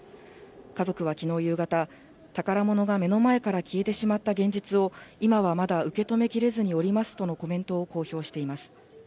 家族は昨日夕方、宝物が目の前から消えてしまった現実を今はまだ受け止めきれずにおりますとのコメントを公表しています。